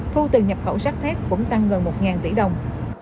thu từ nhập khẩu sách thét cũng tăng gần một tỷ đồng